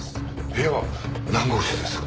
部屋は何号室ですか？